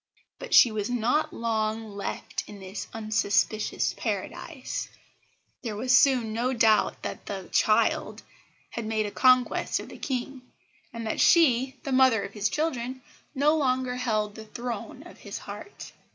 But she was not long left in this unsuspicious Paradise. There was soon no doubt that the "child" had made a conquest of the King, and that she, the mother of his children, no longer held the throne of his heart.